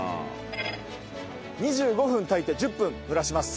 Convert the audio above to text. ２５分炊いて１０分蒸らします。